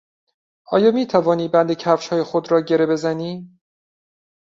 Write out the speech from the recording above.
آیا میتوانی بند کفشهای خود را گره بزنی؟